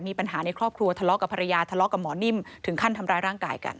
ในครอบครัวทะเลาะกับภรรยาทะเลาะกับหมอนิ่มถึงขั้นทำร้ายร่างกายกัน